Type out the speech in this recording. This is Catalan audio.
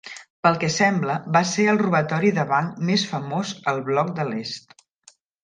Pel que sembla va ser el robatori de banc més famós al Bloc de l'Est.